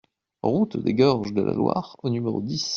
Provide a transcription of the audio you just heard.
Route des Gorges de la Loire au numéro dix